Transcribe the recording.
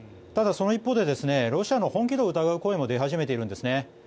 ただその一方でロシアの本気度を疑う声も出始めているんです。